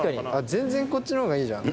全然こっちの方がいいじゃん。